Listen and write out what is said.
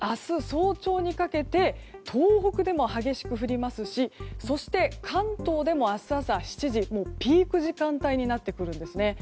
早朝にかけて東北でも激しく降りますしそして、関東でも明日朝７時ピーク時間帯になってくるんですね。